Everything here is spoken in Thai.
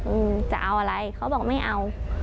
อืมจะเอาอะไรเขาบอกไม่เอา